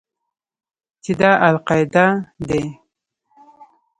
چې دا القاعده دى.